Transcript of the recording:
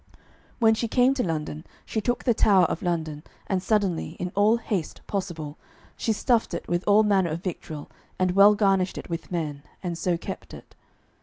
When she came to London, she took the Tower of London, and suddenly, in all haste possible, she stuffed it with all manner of victual, and well garnished it with men, and so kept it.